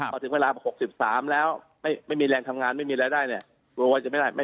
พอถึงเวลา๖๓แล้วไม่มีแรงทำงานไม่มีรายได้เนี่ย